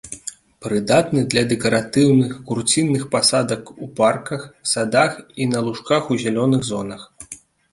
Прыдатны для дэкаратыўных, курцінных пасадак у парках, садах і на лужках у зялёных зонах.